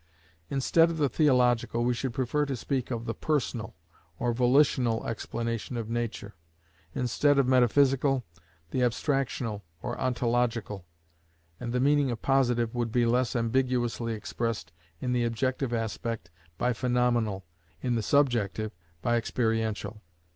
Instead of the Theological we should prefer to speak of the Personal, or Volitional explanation of nature; instead of Metaphysical, the Abstractional or Ontological: and the meaning of Positive would be less ambiguously expressed in the objective aspect by Phaenomenal, in the subjective by Experiential.